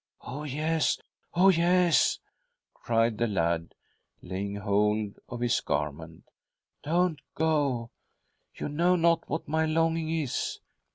" Oh, yes ; oh, yes !" cried the lad, laying hold of his garment. " Don't go. You know not what my longing is.